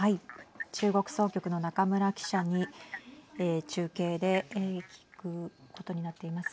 中国総局の中村記者に中継で聞くことになっています。